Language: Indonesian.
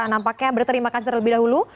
nampaknya berterima kasih terlebih dahulu